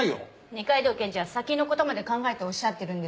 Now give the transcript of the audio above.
二階堂検事は先の事まで考えておっしゃってるんです。